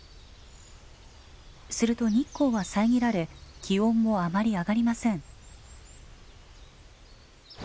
すると日光は遮られ気温もあまり上がりません。